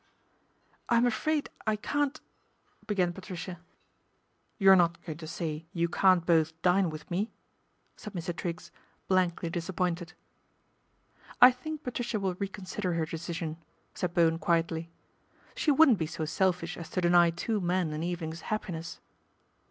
" I'm afraid I can't " began Patricia. 158 PATRICIA BRENT, " You're not going to say you can't both dine with me ?" said Mr. Triggs, blankly disappointed. " I think Patricia will reconsider her decision," said Bowen quietly. " She wouldn't be so selfish as to deny two men an evening's happiness."